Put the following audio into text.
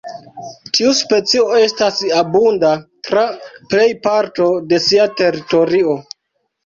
Tiu specio estas abunda tra plej parto de sia teritorio.